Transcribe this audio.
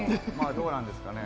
どうなんですかね。